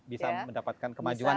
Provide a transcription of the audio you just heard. bisa mendapatkan keberuntungan